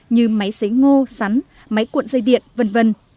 như máy xấy ngô sắn máy cuộn dây điện v v